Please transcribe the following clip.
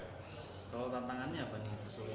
kalau tantangannya apa nih